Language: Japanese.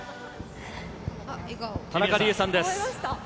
田中理恵さんです。